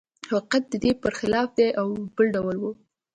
خو حقیقت د دې پرخلاف دی او بل ډول و